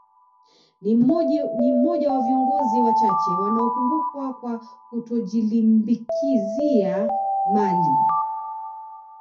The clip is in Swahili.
Ni mmoja wa viongozi wachache wanaokumbukwa kwa kutojilimbikizia mali